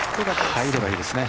入ればいいですね。